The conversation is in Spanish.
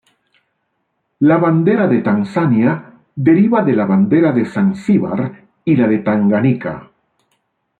La Bandera de Tanzania deriva de la bandera de Zanzíbar y la de Tanganica.